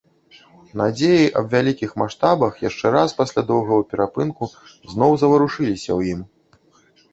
Надзеі аб вялікіх маштабах яшчэ раз, пасля доўгага перапынку, зноў заварушыліся ў ім.